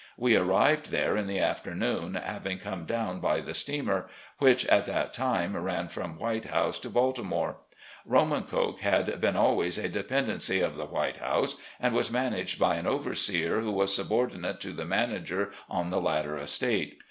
We arrived there in the afternoon, having come down by the steamer, which at that time ran from " White House " to Baltimore. " Romancoke " had been always a depen dency of the "White House," and was managed by an overseer who was subordinate to the manager on the latter estate.